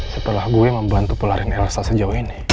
setelah gue membantu pelarin elsa sejauh ini